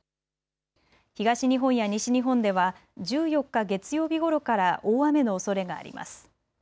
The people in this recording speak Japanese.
東日本や西日本では１４日月曜日ごろから大雨のおそれがあります。